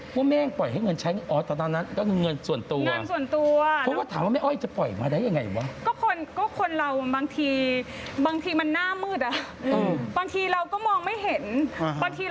ไปหมดเลยหรอเกี่ยวเงินไปเป็นสิบล้านตอนนั้นเครียดมากมั้ย